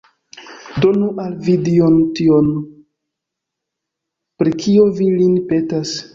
Donu al vi Dio tion, pri kio vi lin petas!